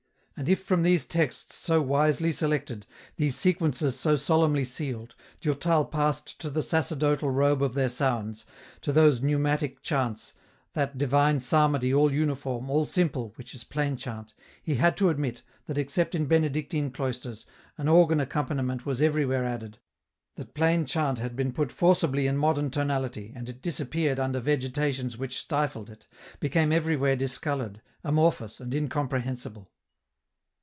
And if, from these texts so wisely selected, these Sequences so solemnly sealed, Durtal passed to the sacer dotal robe of their sounds, to those neumatic chants, that divine psalmody all uniform, all simple, which is plain chant, he had to admit, that except in Benedictine cloisters, an organ accompaniment was everywhere added, that plain chant had been put forcibly in modern tonality, and it disappeared under vegetations which stifled it, became everywhere discoloured, amorphous and incomprehensible.